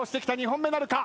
２本目なるか。